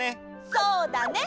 そうだね。